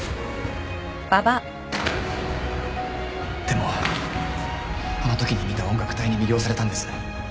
でもあのときに見た音楽隊に魅了されたんです